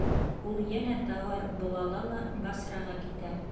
Ул йәнә тауар-бол ала ла Басраға китә.